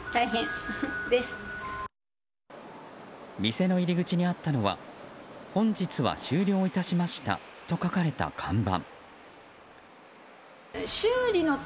店の入り口にあったのは「本日は終了いたしました」と書かれた看板。